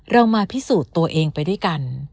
เรามาพิสูจน์ตัวเองไปด้วยกัน